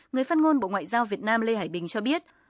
người phát ngôn bộ ngoại giao việt nam lê hải bình cho biết